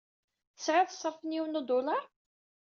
Tesɛiḍ ṣṣerf n yiwen n udulaṛ?